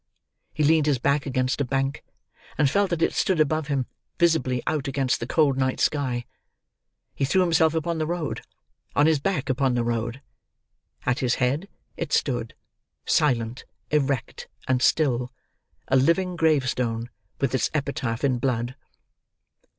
He leaned his back against a bank, and felt that it stood above him, visibly out against the cold night sky. He threw himself upon the road—on his back upon the road. At his head it stood, silent, erect, and still—a living grave stone, with its epitaph in blood.